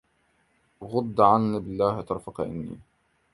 غض عني بالله طرفك إني